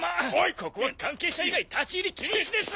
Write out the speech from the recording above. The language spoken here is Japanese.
ここは関係者以外立ち入り禁止です！